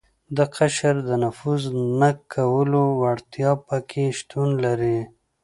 د قشر د نفوذ نه کولو وړتیا په کې شتون لري.